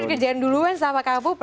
saya jadi spoiler nih subscribe